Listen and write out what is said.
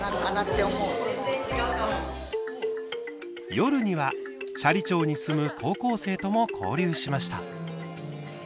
夜には斜里町に住む高校生とも交流しました。